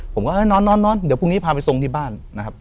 ผมก็เออนอนเดี๋ยวพรุ่งนี้พาไปทรงที่บ้านนะครับ